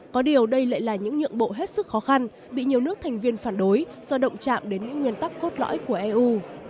có điều đây lại là những nhượng bộ hết sức khó khăn bị nhiều nước thành viên phản đối do động chạm đến những nguyên tắc cốt lõi của eu